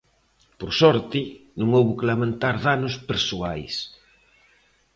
Por sorte, non houbo que lamentar danos persoais.